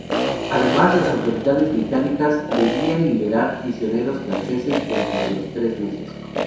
Además, las autoridades británicas debían liberar prisioneros franceses dentro de los tres meses.